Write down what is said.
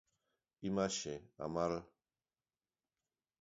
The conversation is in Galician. Imaxe: Amal.